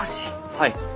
はい。